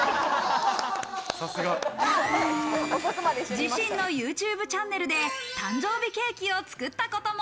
自身のＹｏｕＴｕｂｅチャンネルで誕生日ケーキを作ったことも。